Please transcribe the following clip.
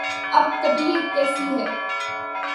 اب طبیعت کیسی ہے؟